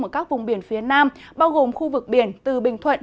ở các vùng biển phía nam bao gồm khu vực biển từ bình thuận